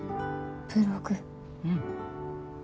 うん。